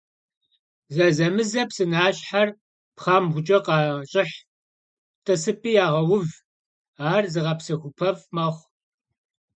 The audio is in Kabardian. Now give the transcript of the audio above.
Zezemıze psınaşher pxhembğuç'e khaş'ıh, t'ısıp'i yağeuv, ar zığepsexup'ef' mexhu.